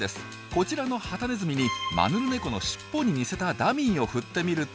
こちらのハタネズミにマヌルネコのしっぽに似せたダミーを振ってみると。